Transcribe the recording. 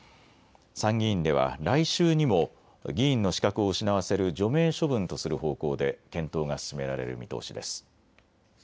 参議院では来週にも議員の資格を失わせる除名処分とする方向で検討が進められる見通しです。